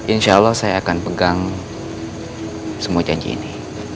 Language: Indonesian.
insya allah saya akan pegang semua janji ini